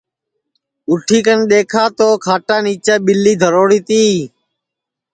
اُٹھی کن دؔیکھا تو کھاٹا نیچے ٻیلی دھروڑی تی